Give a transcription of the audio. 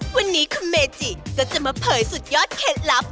วันนี้คุณเมจิก็จะมาเผยสุดยอดเคล็ดลับ